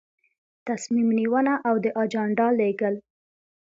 تصمیم نیونه او د اجنډا لیږل.